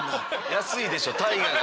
安いでしょ「大河」が。